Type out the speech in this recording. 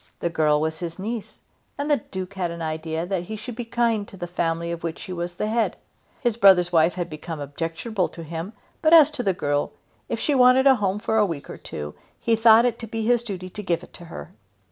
The girl was his niece and the Duke had an idea that he should be kind to the family of which he was the head. His brother's wife had become objectionable to him, but as to the girl, if she wanted a home for a week or two, he thought it to be his duty to give it to her.